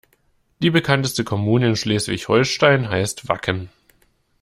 Die bekannteste Kommune in Schleswig-Holstein heißt Wacken.